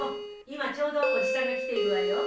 今ちょうど伯父さんが来ているわよ。